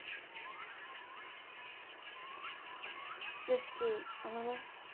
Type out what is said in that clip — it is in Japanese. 良樹あのね。